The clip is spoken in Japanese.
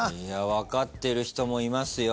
分かってる人もいますよ。